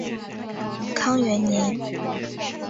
宁康元年。